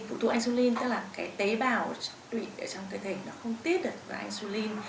phụ thuộc insulin tức là cái tế bào trong cái thể nó không tiết được ra insulin